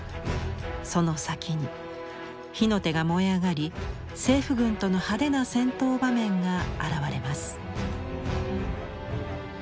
その先に火の手が燃え上がり政府軍との派手な戦闘場面が現れます。